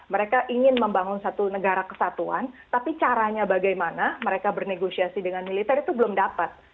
mereka ingin membangun satu negara kesatuan tapi caranya bagaimana mereka bernegosiasi dengan militer itu belum dapat